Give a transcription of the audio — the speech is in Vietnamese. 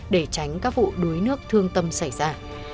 để tránh các vụ đuối nước thương tâm xảy ra